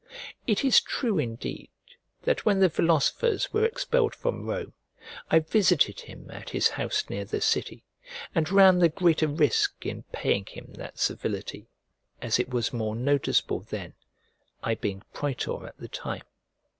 It is true indeed that when the philosophers were expelled from Rome, I visited him at his house near the city, and ran the greater risk in paying him that civility, as it was more noticeable then, I being praetor at the time.